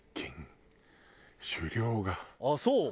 あっそう？